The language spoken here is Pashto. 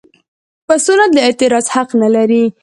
پسونه د اعتراض حق نه لري.